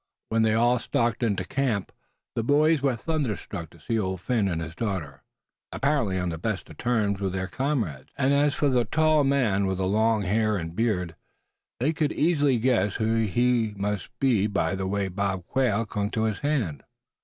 When they all stalked into camp, the boys were thunderstruck to see Old Phin and his daughter, apparently on the best of terms with their comrades; and as for the tall man with the long hair and beard, they could easily guess who he must be by the way Bob Quail clung to his hand.